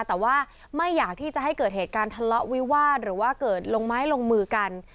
แต่ว่าไม่อยากที่จะให้เกิดเหตุการณ์ทะเลาะวิวาสหรือว่าเกิดลงไม้ลงมือกัน